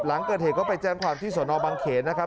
หลังเกิดเหตุก็ไปแจ้งความที่สนบังเขนนะครับ